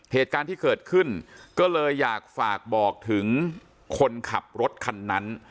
เหตุการณ์ที่เกิดขึ้นก็เลยอยากฝากบอกถึงคนขับรถคันนั้น